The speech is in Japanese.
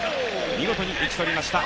見事に打ち取りました。